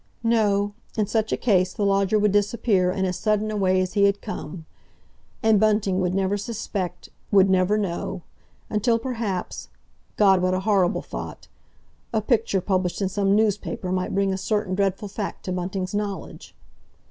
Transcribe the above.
No, in such a case the lodger would disappear in as sudden a way as he had come. And Bunting would never suspect, would never know, until, perhaps—God, what a horrible thought—a picture published in some newspaper might bring a certain dreadful fact to Bunting's knowledge.